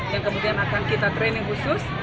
yang kemudian akan kita training khusus